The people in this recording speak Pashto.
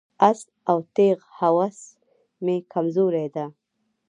آس او تیغ هوس مې کمزوري ده.